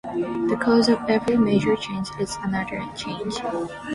The cause of every major change is another change.